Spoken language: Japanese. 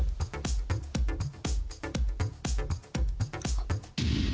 あっ。